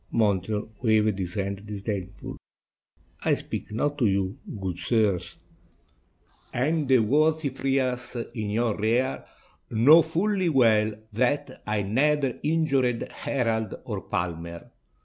Montreal waved his hand disdainfully. "I speak not to you, good sirs, and the worthy friars 42 THE RULE OF RIENZI in your rear know full well that I never injured herald or palmer."